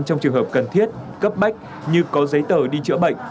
trong trường hợp cần thiết cấp bách như có giấy tờ đi chữa bệnh